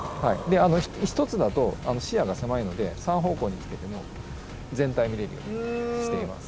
１つだと視野が狭いので３方向につけて全体を見れるようにしています。